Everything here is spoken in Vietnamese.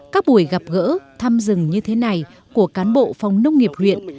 các buổi gặp gỡ thăm rừng như thế này của cán bộ phòng nông nghiệp huyện